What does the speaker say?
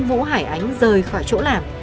vũ hải ánh rời khỏi chỗ làm